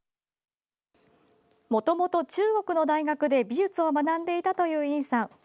もともと中国の大学で美術を学んでいていた尹さん。